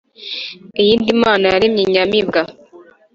iyindi mana yaremye inyamibwa